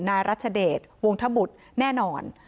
รัชเดชวงธบุตรแน่นอน